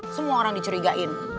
semua orang dicurigain